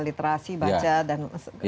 literasi baca dan